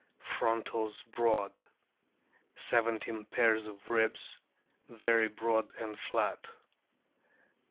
Frontals broad. Seventeen pairs of ribs, very broad and flat.